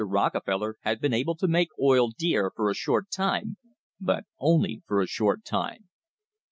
Rockefeller had been able to make oil dear for a short time, but only for a short time.